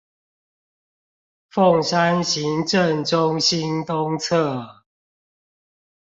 鳳山行政中心東側